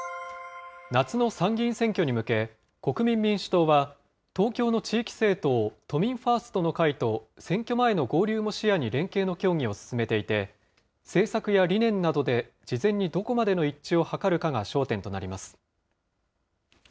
夏の参議院選挙に向け、国民民主党は、東京の地域政党、都民ファーストの会と選挙前の合流も視野に連携の協議を進めていて、政策や理念などで事前にどこまでの一致を図るかが焦点となります。